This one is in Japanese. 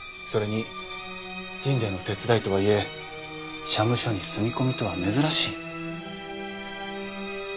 それに神社の手伝いとはいえ社務所に住み込みとは珍しい。